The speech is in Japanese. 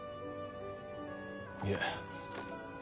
いえ。